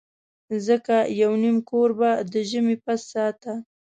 ځکه یو نیم کور به د ژمي پس ساته.